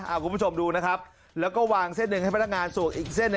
คุณผู้ชมดูนะครับแล้วก็วางเส้นหนึ่งให้พนักงานสวกอีกเส้นหนึ่ง